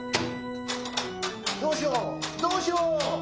どうしようどうしよう。